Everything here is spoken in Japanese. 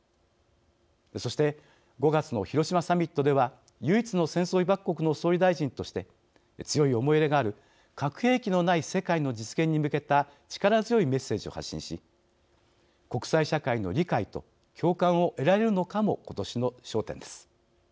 そして、５月の広島サミットでは唯一の戦争被爆国の総理大臣として強い思い入れがある核兵器のない世界の実現に向けた力強いメッセージを発信し国際社会の理解と共感を得られるのかも今年の焦点です。